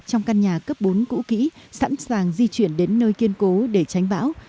trong căn nhà cấp bốn cũ kỹ sẵn sàng di chuyển đến nơi kiên cố để tránh bão